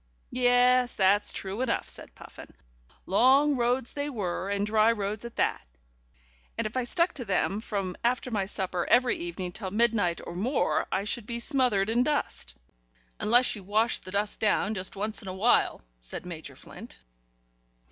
"Yes, that's true enough," said Puffin. "Long roads they were, and dry roads at that, and if I stuck to them from after my supper every evening till midnight or more I should be smothered in dust." "Unless you washed the dust down just once in a while," said Major Flint.